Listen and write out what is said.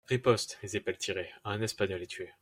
Riposte, les épées tirées ; un Espagnol est tué.